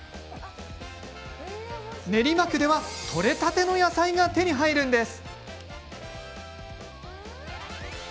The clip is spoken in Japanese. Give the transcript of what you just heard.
練馬区ではとれたての野菜が手に入るんです。